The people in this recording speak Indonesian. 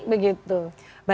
baik informasi terakhir mbak